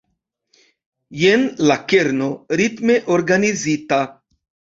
Jen la kerno: ritme organizita.